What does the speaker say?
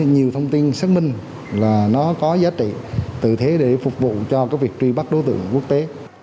nhiều thông tin xác minh là nó có giá trị tự thế để phục vụ cho việc truy bắt đối tượng quốc tế